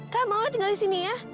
kalian mau tinggal di sini ya